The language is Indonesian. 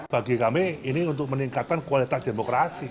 bagi kami ini untuk meningkatkan kualitas demokrasi